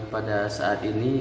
pada saat ini